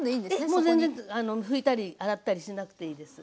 もう全然拭いたり洗ったりしなくていいです。